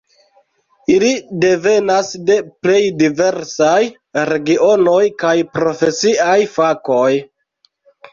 Ili devenas de plej diversaj regionoj kaj profesiaj fakoj.